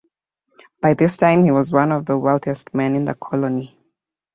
By this time he was one of the wealthiest men in the colony.